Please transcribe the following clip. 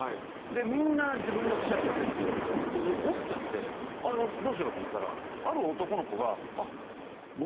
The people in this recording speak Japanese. でみんな自分の磁石持ってるんですけどそれ僕折っちゃってどうしようと思ったらある男の子が。